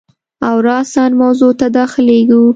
او راساً موضوع ته داخلیږو.